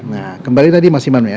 nah kembali tadi mas iman ya